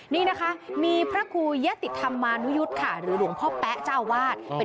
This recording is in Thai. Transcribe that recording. นี่นะคะมีพระครูยะติธรรมานุยุทธ์ค่ะหรือหลวงพ่อแป๊ะเจ้าอาวาส